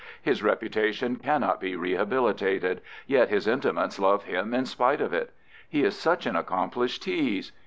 His reputation cannot be rehabilitated, yet his intimates love him in spite of it. He is such an accomplished tease!